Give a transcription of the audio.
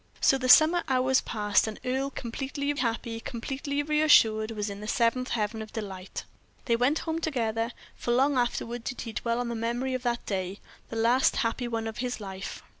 So the summer hours passed, and Earle, completely happy, completely reassured, was in the seventh heaven of delight. They went home together. For long afterward did he dwell on the memory of that day, the last happy one of his life!